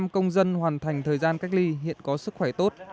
ba mươi năm công dân hoàn thành thời gian cách ly hiện có sức khỏe tốt